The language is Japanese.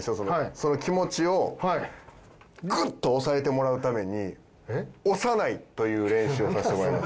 その気持ちをグッと抑えてもらうために「押さない」という練習をさせてもらいます。